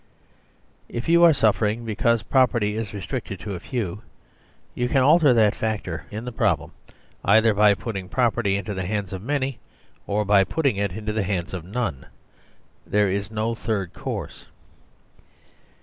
If you are suffering because property is restricted to a few, you can alter that factor in the problem either by putting property into the hands of many, or by putting it into the hands of none. There is no third course.